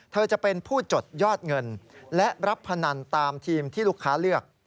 จะเป็นผู้จดยอดเงินและรับพนันตามทีมที่ลูกค้าเลือก